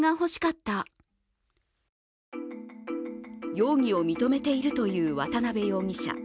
容疑を認めているという渡邊容疑者。